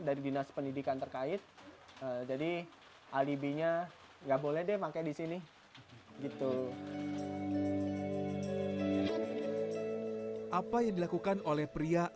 dari dinas pendidikan terkait jadi alibinya nggak boleh deh pakai di sini gitu apa yang dilakukan oleh pria